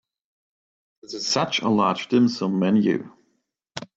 This is such a large dim sum menu.